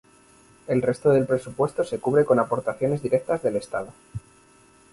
El resto del presupuesto se cubre con aportaciones directas del estado.